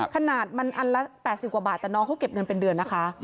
ขนาดมันอันละ๘๐กว่าบาทแต่น้องเขาเก็บเงินเป็นเดือนนะคะ